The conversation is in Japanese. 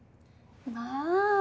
まあ！